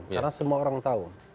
karena semua orang tahu